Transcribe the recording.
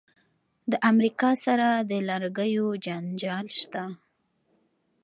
د امریکا سره د لرګیو جنجال شته.